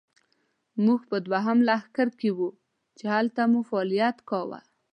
موږ په دوهم لښکر کې وو، چې هلته مو فعالیت کاوه.